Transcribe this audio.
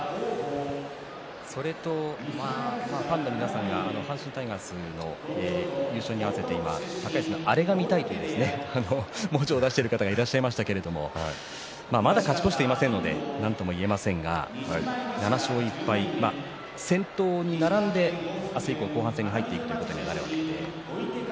それとファンの皆さんが阪神タイガースの優勝に合わせて高安のアレが見たいという文字がありましたけれどもまだ勝ち越していませんので何とも言えませんが７勝１敗先頭に並んで明日以降、後半戦に入っていくということです。